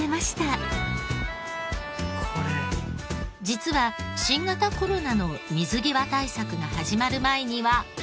実は新型コロナの水際対策が始まる前には。